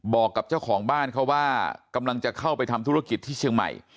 บอกกับเจ้าของบ้านเขาว่ากำลังจะเข้าไปทำธุรกิจที่เชียงใหม่